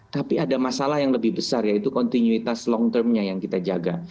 tapi ada masalah yang lebih besar yaitu kontinuitas long termnya yang kita jaga